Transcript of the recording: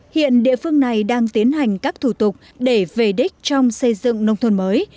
hiện địa phương này đang tiến hành các thủ tục để về đích trong xây dựng nông thôn mới